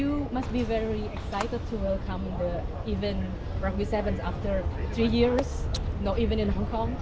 anda pasti sangat teruja untuk menyambut event rugby sevens setelah tiga tahun tidak ada even di hongkong